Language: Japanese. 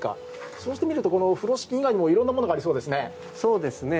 そうして見るとこの風呂敷以外にもいろんなものがありそうですね。